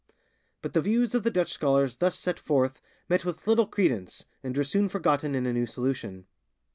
But the views of the Dutch scholars thus set forth met with little credence, and were soon forgotten in a new solution.